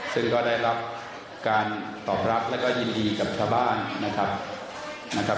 ซึ่งก็ได้รับการตอบรับแล้วก็ยินดีกับชาวบ้านนะครับ